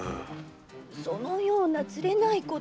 そのようなつれないことを。